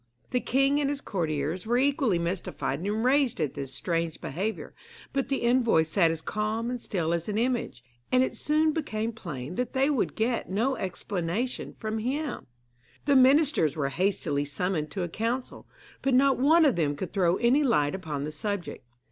The king and his courtiers were equally mystified and enraged at this strange behaviour, but the envoy sat as calm and still as an image, and it soon became plain that they would get no explanation from him. The ministers were hastily summoned to a council, but not one of them could throw any light upon the subject.